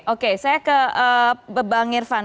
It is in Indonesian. oke saya ke bang irfan